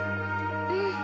うん。